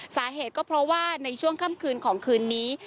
สาเหตุก็เพราะว่าในช่วงค่ำคืนของคืนนี้